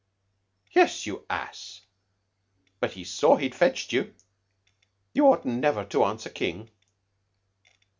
"Yes, you ass; but he saw he'd fetched you. You ought never to answer King."